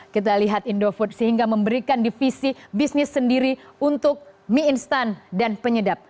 kita lihat indofood sehingga memberikan divisi bisnis sendiri untuk mie instan dan penyedap